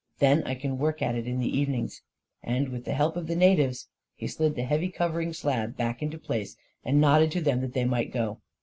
Then I can work at it in the eve nings ;" and, with the help of the natives, he slid the heavy covering slab back into place, and nodded to them that they might go.